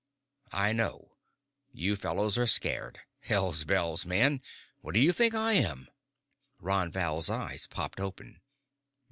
"I know. You fellows are scared. Hells bells, man! What do you think I am?" Ron Val's eyes popped open.